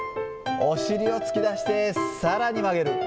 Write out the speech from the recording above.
お尻を突き出して、さらに曲げる。